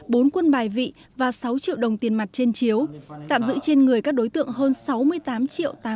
bốn quân bài vị và sáu triệu đồng tiền mặt trên chiếu tạm giữ trên người các đối tượng hơn sáu mươi tám triệu